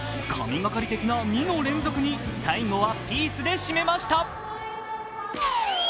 神がかり的な２の連続に最後はピースで締めました。